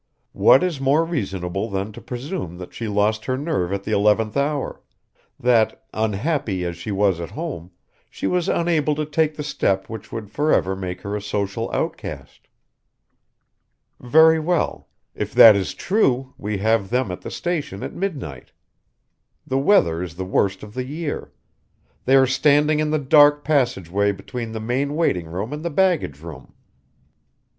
What is more reasonable than to presume that she lost her nerve at the eleventh hour: that, unhappy as she was at home, she was unable to take the step which would forever make her a social outcast? "Very well. If that is true, we have them at the station at midnight. The weather is the worst of the year. They are standing in the dark passageway between the main waiting room and the baggage room.